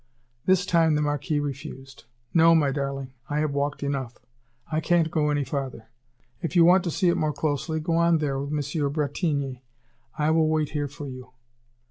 This time the Marquis refused: "No, my darling, I have walked enough; I can't go any farther. If you want to see it more closely, go on there with M. Bretigny. I will wait here for you."